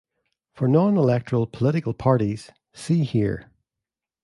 For non-electoral political "parties", see here.